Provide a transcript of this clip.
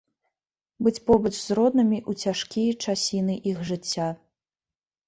Быць побач з роднымі ў цяжкія часіны іх жыцця.